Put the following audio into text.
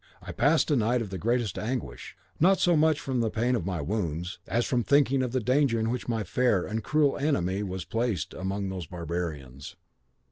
I passed a night of the greatest anguish, not so much from the pain of my wounds, as from thinking of the danger in which my fair and cruel enemy was placed among those barbarians.